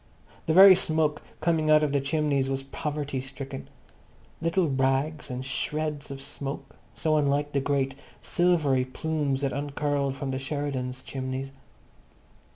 The very smoke coming out of their chimneys was poverty stricken. Little rags and shreds of smoke, so unlike the great silvery plumes that uncurled from the Sheridans' chimneys.